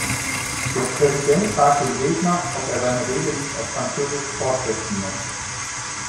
Der Präsident fragt den Redner, ob er seine Rede nicht auf französisch fortsetzen möchte.